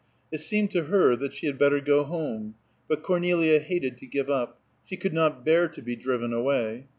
It seemed to her that she had better go home, but Cornelia hated to give up; she could not bear to be driven away.